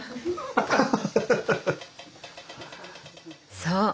そう！